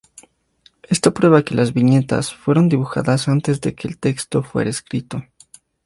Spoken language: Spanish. Esto prueba que las viñetas fueron dibujadas antes de que el texto fuera escrito.